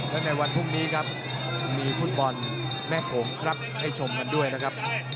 และในวันพรุ่งนี้ครับมีฟุตบอลแม่โขงครับให้ชมกันด้วยนะครับ